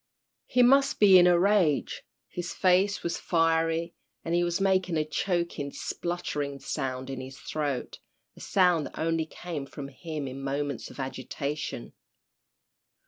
He must be in a rage. His face was fiery, and he was making a choking, spluttering sound in his throat, a sound that only came from him in moments of agitation.